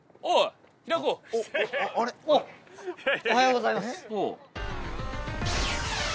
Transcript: おはようございます。